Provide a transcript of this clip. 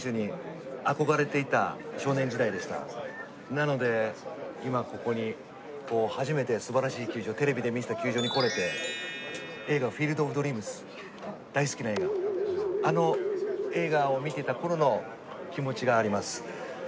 なので今ここに初めて素晴らしい球場テレビで見てた球場に来れて映画『フィールド・オブ・ドリームス』大好きな映画あの映画を見てたころの気持ちがあります。